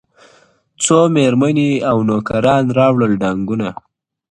څو مېرمني او نوکر راوړل ډانګونه-